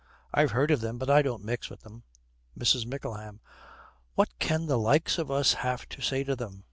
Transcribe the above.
I've heard of them, but I don't mix with them.' MRS. MICKLEHAM. 'What can the likes of us have to say to them?